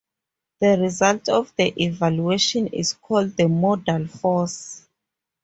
The result of the evaluation is called the modal force.